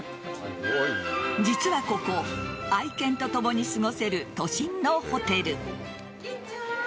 実はここ、愛犬とともに過ごせる都心のホテル。